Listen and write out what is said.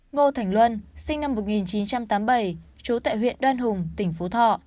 ngô thành luân sinh năm một nghìn chín trăm tám mươi bảy trú tại huyện đoan hùng tỉnh phú thọ